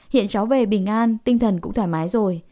hiện cháu về bình an tinh thần cũng thoải mái rồi